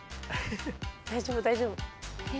・大丈夫大丈夫。